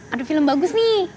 ada film bagus nih